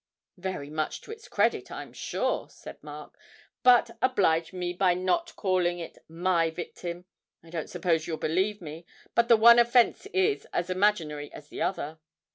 'Very much to its credit, I'm sure,' said Mark. 'But oblige me by not calling it my victim. I don't suppose you'll believe me, but the one offence is as imaginary as the other.'